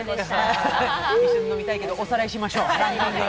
一緒に飲みたいけど、おさらいしましょう。